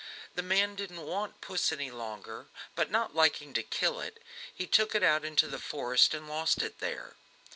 ] The man didn't want Puss any longer, but not liking to kill it he took it out into the forest and lost it there.